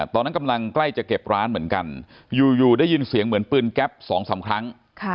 ตอนนั้นกำลังใกล้จะเก็บร้านเหมือนกันอยู่ได้ยินเสียงเหมือนปืนแก๊ป๒๓ครั้ง